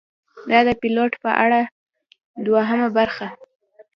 دا ده د پیلوټ په اړه دوهمه برخه: